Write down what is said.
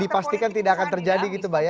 dipastikan tidak akan terjadi gitu mbak ya